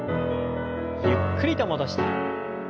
ゆっくりと戻して。